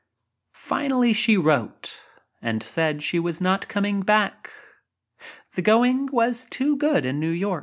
;. Finally she wrote and said she was not coming back — the going was too good in New ':■•.